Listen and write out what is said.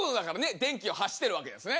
電気を発してるわけですね。